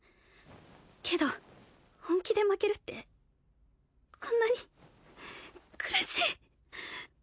けど本気で負けるってこんなに苦しい。